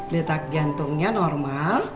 letak jantungnya normal